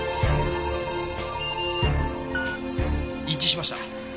一致しました。